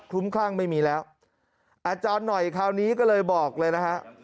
ลุ้มคลั่งไม่มีแล้วอาจารย์หน่อยคราวนี้ก็เลยบอกเลยนะฮะ